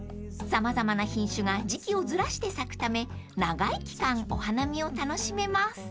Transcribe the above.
［様々な品種が時季をずらして咲くため長い期間お花見を楽しめます］